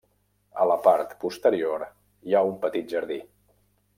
A la part posterior hi ha un petit jardí.